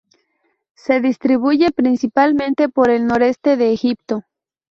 Se distribuye principalmente por el noroeste de Egipto.